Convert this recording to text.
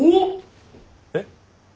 えっ？